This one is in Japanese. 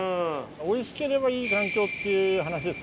おいしければいい環境っていう話ですからね。